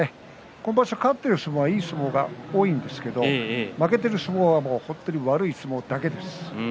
今場所は勝っている相撲はいい相撲が多いんですが負けている相撲は本当に悪い相撲だけです。